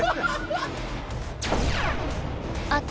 あと